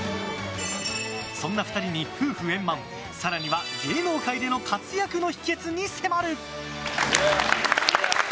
そんな２人に夫婦円満、更には芸能界での活躍の秘訣に迫る。